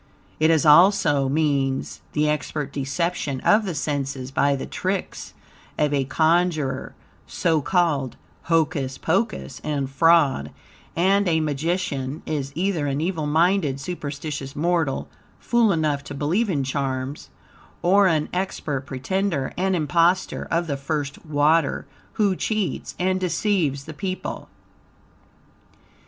It also means the expert deception of the senses by the tricks of a conjurer, SO CALLED hocus pocus and fraud, and a magician is either an evil minded, superstitious mortal, fool enough to believe in charms, or an expert pretender and imposter of the first water, who cheats and deceives the people.